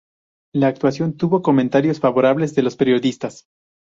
La actuación obtuvo comentarios favorables de los periodistas.